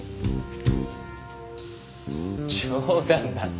冗談だって。